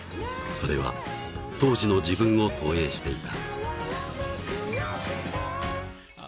それは当時の自分を投影していた